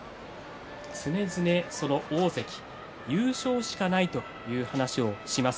常々、大関優勝しかないという話もします。